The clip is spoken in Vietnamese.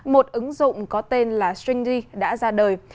một ứng dụng có tên là stringy đã ra đời